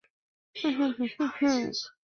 职缺资讯